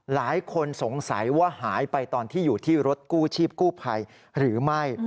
หลายคนสงสัยว่าหายไปตอนที่อยู่ที่รถกู้ชีพกู้ภัยหรือไม่